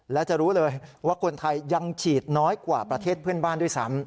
และจะรู้เลยว่าคนไทยยังฉีดน้อยกว่าประเทศเพื่อนบ้านด้วยซ้ำ